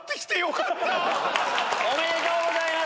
おめでとうございます！